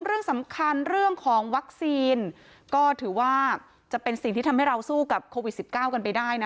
เรื่องสำคัญเรื่องของวัคซีนก็ถือว่าจะเป็นสิ่งที่ทำให้เราสู้กับโควิด๑๙กันไปได้นะ